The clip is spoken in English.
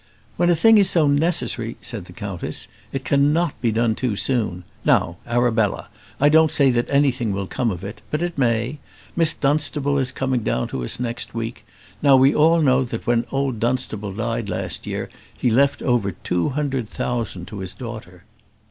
"When a thing is so necessary," said the countess, "it cannot be done too soon. Now, Arabella, I don't say that anything will come of it; but it may: Miss Dunstable is coming down to us next week. Now, we all know that when old Dunstable died last year, he left over two hundred thousand to his daughter."